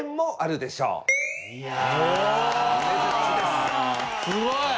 すごい。